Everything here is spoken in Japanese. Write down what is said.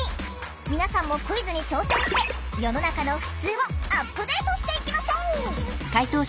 皆さんもクイズに挑戦して世の中の「ふつう」をアップデートしていきましょう！